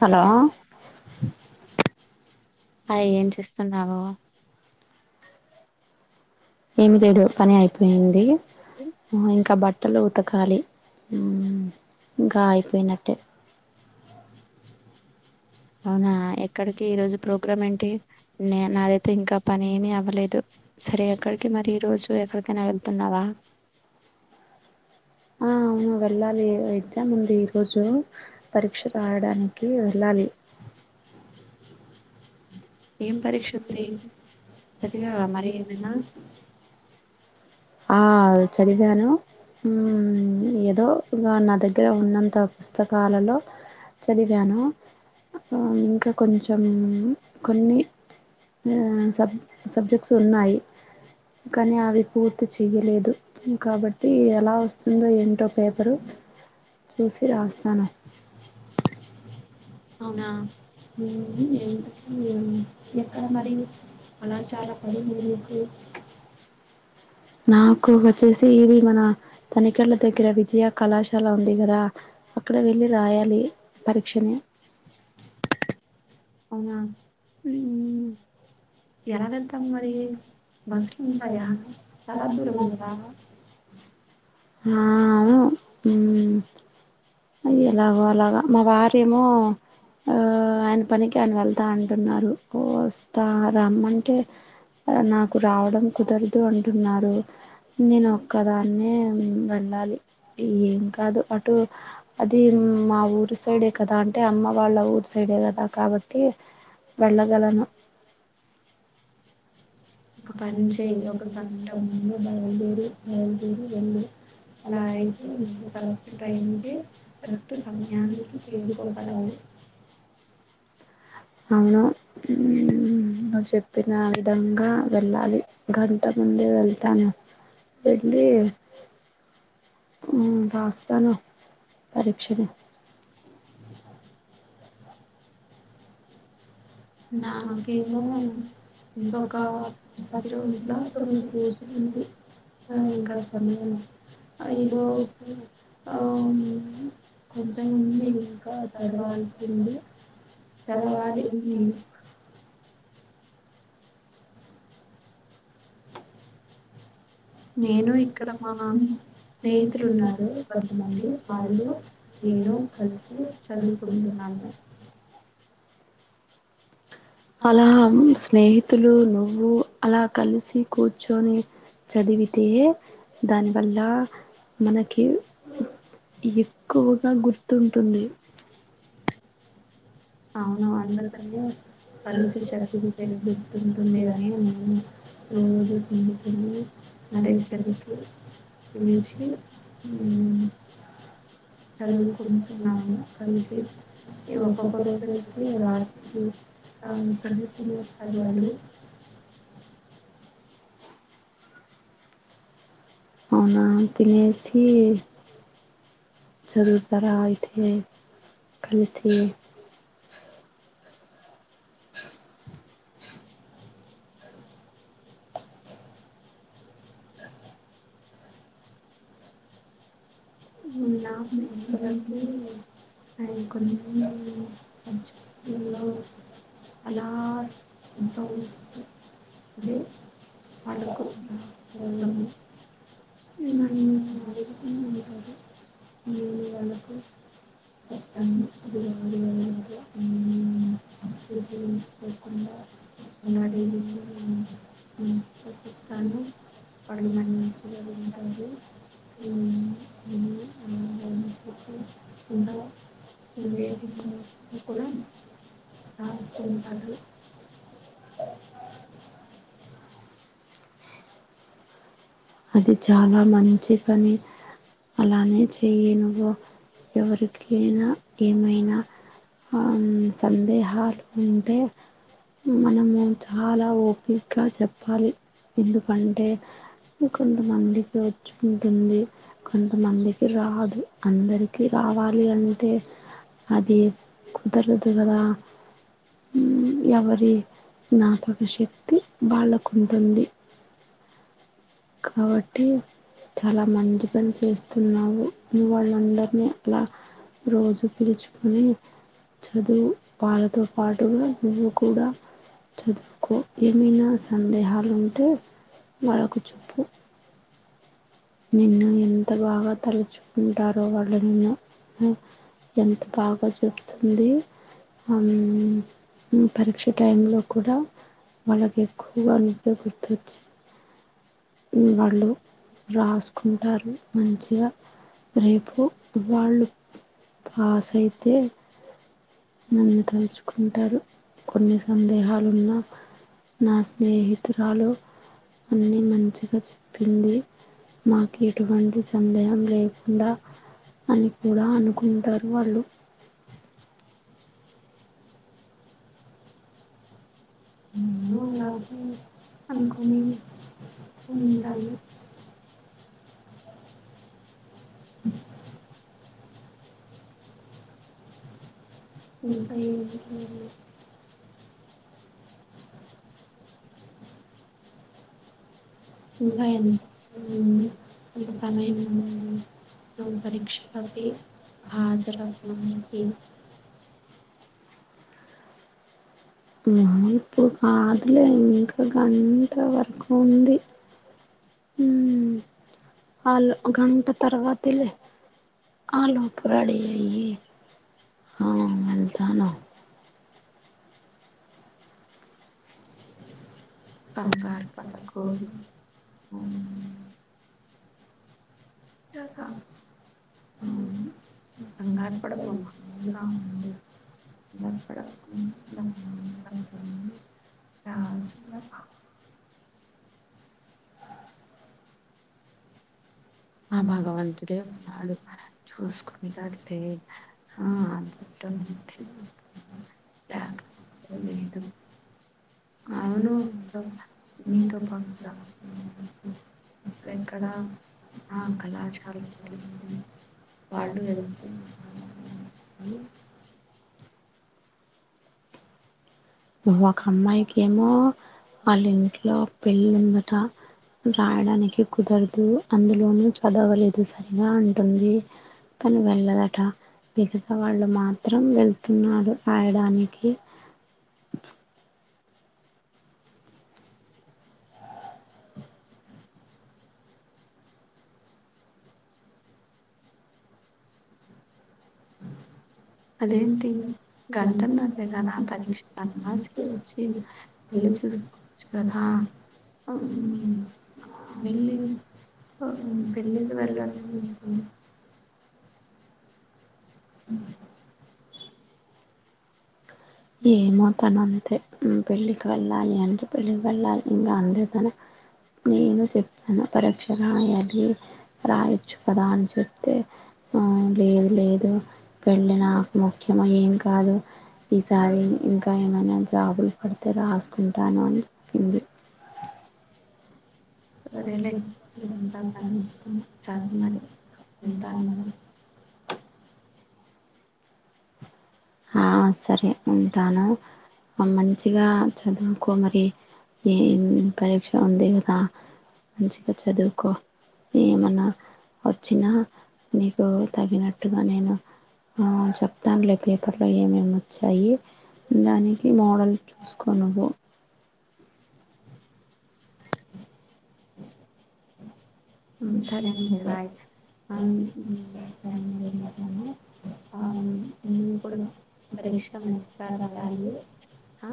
Hello hi ఏం చేస్తున్నావో? ఏమి లేదు పని అయిపోయింది. ఇంకా బట్టలు ఉతకాలి ఇంకా ఐపోనట్టే అవునా ఎక్కడికి ఈ రోజు ప్రోగ్రాం ఏంటి నాదైతే ఇంకా పని ఏమీ అవ్వలేదు సరే ఎక్కడికి మరి ఈ రోజు ఎక్కడికైనా వెళ్తున్నావా? ఆ అవును వెళ్ళాలి. ఎగ్జాము ఉంది ఈరోజు పరీక్ష రాయడానికి వెళ్ళాలి. ఏం పరీక్షలు [unintelligible] ఆ చదివాను ఉమ్ ఏదో ఇ నా దగ్గర ఉన్నంత పుస్తకాలలో చదివాను ఇంక కొంచెం కొన్ని ఆ సబ్ సబ్జెక్ట్స్ ఉన్నాయి కానీ అవి పూర్ చెయ్యలేదు కాబట్టి ఎలా వస్తుందో ఏంటో పేపరు చూసి రాస్తాను. అవునా ఉమ్ ఉమ్ ఉమ్ ఎక్కడ మరి అలా శాలా పని ఉంది నీకు నాకు వచ్చేసి ఇది మన తనికడ్ల దగ్గర విజయ కళాశాల ఉంది కదా అక్కడ వెళ్ళి రాయాలి పరీక్షని అవునా ఉమ్ ఎవరెం టైంమది మస్త్ ఉంటాదా తర్వాద్ది ఏమి ఉండదా ఆ అవును ఉమ్ అవి ఎలాగో అలాగ మా వారేమో ఒ ఆ ఆయన పనికి ఆయన వెళ్తా అంటున్నారు వస్తా రమ్మంటే నాకు రావడం కుదరదు అంటున్నారు నేను ఒక్కదాన్నే మ్ ళ్లాలి ఏం కాదు అటు అది మా ఊరు సైడే కదా అంటే అమ్మ వాళ్ళ ఊర్ సైడ్ డే కదా కాబట్టి వెళ్ళగలను ఒక పనిచెయ్ ఒక గంట ముందు బయలుదేరి బయలుదేరి వెళ్ళు అలా అయితే నువు కరెక్ట్ టైమ్కి కరెక్ట్ సమయానికి చేరుకోగలవు అవును ఉమ్ నువ్వు చెప్పిన విధంగా వెళ్ళాలి గంట ముందే వెళ్తాను వెళ్ళి ఉమ్ రాస్తాను పరీక్షని నా కద్ [unintelligible] ఇంకొక పది రోజులా తొమ్మిది రోజులు ఉంది నీ కోసమే ఇంకా సమయం [unintelligible] కొంతముందు ఇంకా చదవల్సుంది చదవాలి లీజుక్ నేను ఇక్కడ మా నాన్న స్నేహితులు ఉన్నారు [unintelligible] వాళ్ళకు నేను కలిసి చదువుకుంటాను అలా ఆవును స్నేహితులు నువ్వు అలా కలిసి కూర్చొని చదివితే దానివల్ల మనకి ఎక్కువగా గుర్తుంటుంది ఊ అందుకని కలిసి చదుతుంటుండాలి మేము ప్రయోజకుందుతున్న అందరి కొరకు నీకు ఊ చదువుకుంటున్నాము కలిసి ఒక్కొక్కరోజ అయితే రాత్రి అ కరెక్ట్గా పది మంది అవున తినేసి చదువుతారా అయితే కలిసి ఉన్నా స్నేహితులు అండీ ఆయన కొన్నిటిని హలొ అలా టు థౌసండ్ ఇదే అనుకుంది ఉత్తమం ఏ నన్నెదో వేరే వాళ్లకు అది ఇద్దరి మధ్య [unintelligible] పట్టించుకోకుండా అందరు [unintelligible] అని అదించిది ఉంటదు ఊ ఊ అ [unintelligible] విద్య విద్యకు నాకు నీకు మార్క్స్ ఏసారు అది చాలా మంచి పని అలానే చేయి నువు ఎవరికైనా ఏమైనా. అమ్ సందేహాలు ఉంటే మనము చాలా ఓపిక్గా చెప్పాలి ఎందుకంటే కొంతమందికి వచ్చు ఉంటుంది కొంతమందికి రాదు అందరికి రాదు వ్వాలి అంటే అది కుదరదు కదా ఎవరి జ్ఞాపక శక్తి వాలకుంటుంది. కాబట్టి చాలా మంచి పని చేస్తున్నారు మీ వాళ్ళందరినీ అలా రోజు పిలుచుకుని చదువు వాళ్ళతో పాటుగా నువ్వు కూడా చదువుకో ఏమైనా సందేహాలు ఉంటే వాళకు చెప్పు నిన్ను ఎంత బాగా తరచు ఉంటారో వాళ్లు నిన్ను ఎంత బాగా చెప్తుంది. ఉమ్ పరీక్ష టైలో కూడా వాళకి ఎక్కువగా ఆనంద గుతచ్చ ఉమ్ వాళ్ళు రాసుకుంటారు మంచిగా రేపు వాళ్ళు పాస్ అయితే నన్ను తలుచుకుంటారు కొన్ని సందేహాలున్నా నా స్నేహితురాలు అన్నీ మంచిగా చెప్పింది మాకేటువంటి సందేహం లేకుండా అని కూడా అనుకుంటారు వాళ్ళు అలాగే అనుకు టారు ఇకా ఈరోజు మీ ఇ ఇక [unintelligible] మీ పరీక్షకు [unintelligible] పణకు ఉహు ఇప్పుడు కాదులే ఇంకా గంట వరకు ఉంది ఉమ్ ఆల్ గంట తర్వాత్ ధులే లోపల అడియు హా వెళ్తాను కంగారు పడకు ఉమ్ చాకా ఉహు [unintelligible] [unintelligible] ఆ స ఆ భగవంతుడే ఉన్నాడు చూసుకుంటాడులె ఆ అది [unintelligible] లేదు అవును నీతో పాట్ రాసి ఎక్కక్క [unintelligible] మతే [unintelligible] వక అమ్మాయికి ఏమో వాళ్ళ ఇంట్లో పెళ్లి ఉందట రాయడానికి కుదరదు అందులోనూ చదవలేదు సరిగా అంటుంది తను వెళ్ళదట మిగత వాళ్ళు మాత్రం వెళ్తున్నారు రాయడానికి అదేంటి గంటనరనేగా పరీక్ష రాసి వచ్చి చూడొచ్చు కదా వెళ్ళి పెళ్ల్ళికి వెల్లద్ ఉమ్ ఏ మొతనో అంతే ఉమ్ పెళ్ళికి వెళ్ళాలి అంటే పెళ్ళికి వెళ్ళాలి ఇంకా అంతే గద నేను చెప్తాను పరక్షరాయాలీ రాయొచ్చు కదా అని చెప్తే ఆ లేదు లేదు పెళ్లి నాకు ముఖ్యం ఏం కాదు ఈసారి ఇంకా ఏమైనా జాబులు పడితే రాసుకుంటాను అని చెప్పింది సరేలే సరే మరి ఉంటానా ఆ సరే ఉంటాన ఆ మంచిగా చదువుకో మరి ఏ పరీక్ష ఉంది కదా మంచిగ చదువుకో ఏమన్న వచ్చినా నీకు తగినట్టుగా నేను ఆ చెప్తాంలే పో పదిహేను నిమిషాలు వచ్చాయి దానికి మోడల్ చూసుకోనిపో తే [unintelligible] [unintelligible] ఎందు కూడా ఇష్ట పెంచుతారా అండీ ఆ